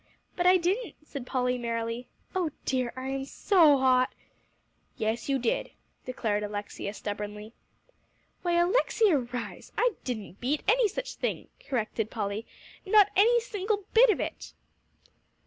"But I didn't," said Polly merrily. "Oh dear! I am so hot." "Yes, you did," declared Alexia stubbornly. "Why, Alexia Rhys! I didn't beat, any such a thing," corrected Polly "not a single bit of it."